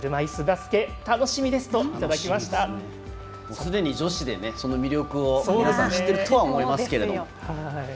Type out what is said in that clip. すでに女子で魅力を皆さん知ってるとは思いますけど。